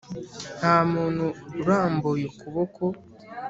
nta muntu urambuye ukuboko